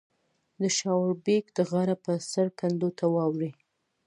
د شاړوبېک د غره په سر کنډو ته واوړې